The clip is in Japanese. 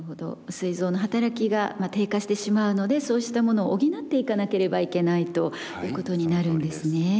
すい臓の働きが低下してしまうのでそうしたものを補っていかなければいけないということになるんですね。